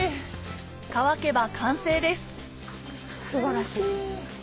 乾けば完成です素晴らしい。